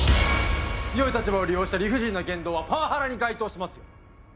強い立場を利用した理不尽な言動はパワハラに該当しますよ。